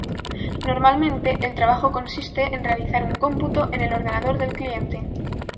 Normalmente el trabajo consiste en realizar un cómputo en el ordenador del cliente.